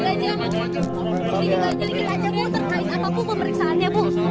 sini dikit aja bu terkait apa bu periksaannya bu